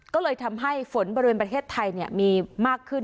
ก็เลยทำให้ฝนบริเวณประเทศไทยมีมากขึ้น